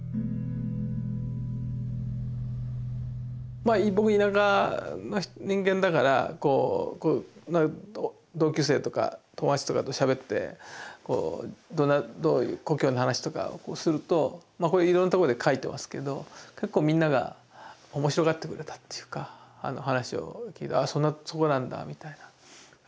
まあ僕田舎の人間だから同級生とか友達とかとしゃべって故郷の話とかをするとまあこれいろんなとこで書いてますけど結構みんながおもしろがってくれたっていうか話を聞いて「あっそうなんだ」みたいな感じで。